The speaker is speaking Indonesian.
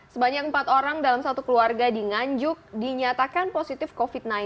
sebanyak empat orang dalam satu keluarga di nganjuk dinyatakan positif covid sembilan belas